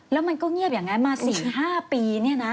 แล้วมันก็เงียบอย่างไรมาสี่ห้าปีเนี่ยนะ